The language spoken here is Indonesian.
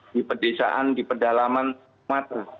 di pedesaan di pedalaman mata